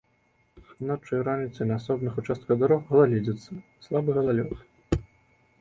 Ноччу і раніцай на асобных участках дарог галалёдзіца, слабы галалёд.